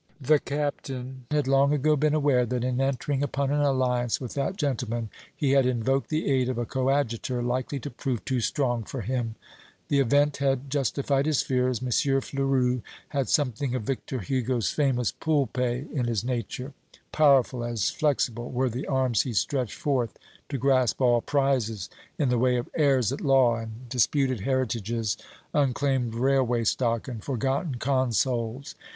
The Captain had long ago been aware that in entering upon an alliance with that gentleman, he had invoked the aid of a coadjutor likely to prove too strong for him. The event had justified his fears. M. Fleurus had something of Victor Hugo's famous Poulpe in his nature. Powerful as flexible were the arms he stretched forth to grasp all prizes in the way of heirs at law and disputed heritages, unclaimed railway stock, and forgotten consols.